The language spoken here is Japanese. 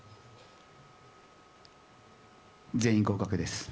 全員合格です。